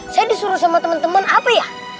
saya disuruh sama temen temen apa ya